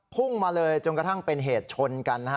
พุ่งมาเลยจนกระทั่งเป็นเหตุชนกันนะฮะ